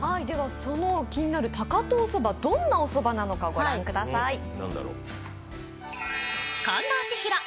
気になる高遠そば、どんなおそばなのか、御覧ください。